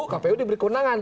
kpu diberi keundangan